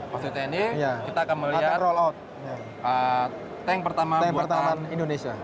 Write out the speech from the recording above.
pas utn kita akan melihat tank pertama buatan indonesia